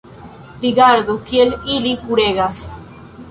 rigardu, kiel ili kuregas.